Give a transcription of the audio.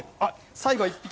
最後は１匹。